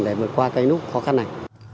để vượt qua cái nút khó khăn này